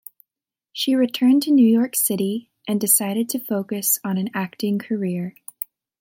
She returned to New York City and decided to focus on an acting career.